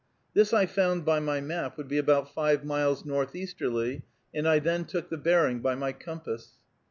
This I found by my map would be about five miles northeasterly, and I then took the bearing by my compass.